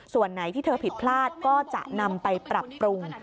ส่วนไหนที่เธอผิดพลาดก็จะนำไปปรับปรุง